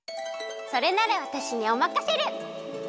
それならわたしにおまかシェル！